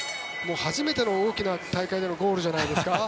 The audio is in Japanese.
初めての大きな大会でのゴールじゃないですか。